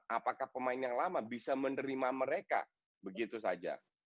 apakah pemain yang lama bisa menerima mereka begitu saja